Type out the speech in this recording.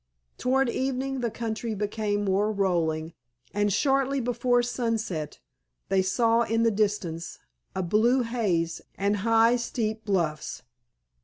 Toward evening the country became more rolling, and shortly before sunset they saw in the distance a blue haze and high steep bluffs.